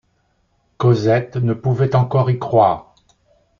Cosette ne pouvait encore y croire.